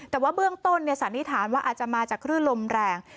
แต่ว่าเบื้องต้นสันนิษฐานว่าอาจจะมาจากคลื่นลมแรง